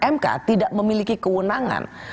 mk tidak memiliki kewenangan